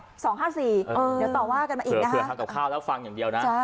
เดี๋ยวต่อว่ากันมาอีกนะคะเผื่อทำกับข้าวแล้วฟังอย่างเดียวนะ